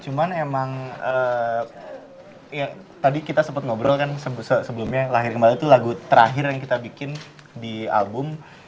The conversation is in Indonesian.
cuman emang ya tadi kita sempat ngobrol kan sebelumnya lahir kembali tuh lagu terakhir yang kita bikin di album